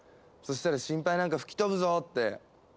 そしたら心配なんか吹き飛ぶぞって。